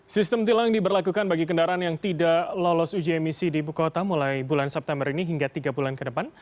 sistem tilang diberlakukan bagi kendaraan yang tidak lolos uji emisi di ibu kota mulai bulan september ini hingga tiga bulan ke depan